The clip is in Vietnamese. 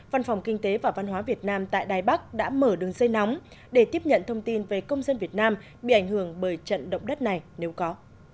văn phòng kinh tế và văn hóa việt nam tại đài bắc đã mở đường dây nóng để tiếp nhận thông tin về công dân việt nam bị ảnh hưởng bởi trận động đất này nếu có